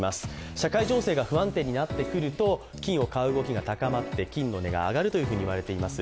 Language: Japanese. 社会情勢が不安定になってくると金を買う動きが高まって金の値が上がるというふうに言われています。